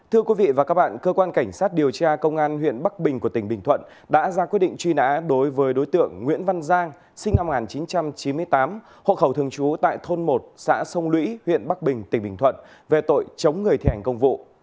hội khẩu thường trú tại thôn một xã sông lũy huyện bắc bình tỉnh bình thuận về tội chống người thi hành công vụ